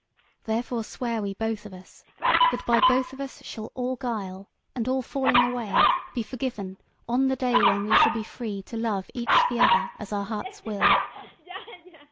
Therefore swear we both of us, that by both of us shall all guile and all falling away be forgiven on the day when we shall be free to love each the other as our hearts will."